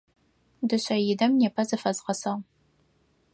Дышъэидэм непэ зыфэзгъэсагъ.